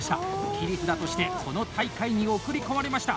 切り札として、この大会に送り込まれました！